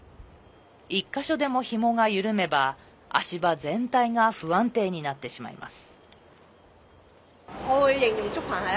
１か所でも、ひもが緩めば足場全体が不安定になってしまいます。